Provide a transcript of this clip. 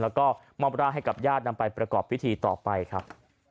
แล้วก็มอบร่างให้กับญาตินำไปประกอบพิธีต่อไปครับ